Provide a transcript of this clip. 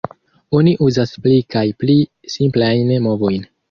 Oni uzas pli kaj pli simplajn movojn.